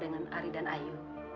dengan ari dan ayu